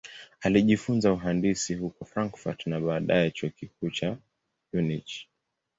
Alijifunza uhandisi huko Frankfurt na baadaye Chuo Kikuu cha Munich.